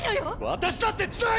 私だってつらい！